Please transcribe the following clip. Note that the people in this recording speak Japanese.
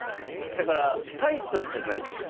だからタイトルじゃないってことですよね？